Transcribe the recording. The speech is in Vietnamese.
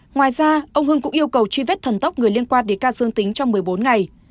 ngoài ra ông hưng cũng yêu cầu truy vết thần tốc người liên quan đến ca dương tính trong một mươi bốn ngày